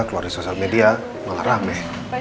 keluar di sosial media malah rame